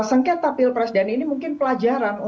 atau pun juga aparatur pemerintah untuk memenangkan paslon tertentu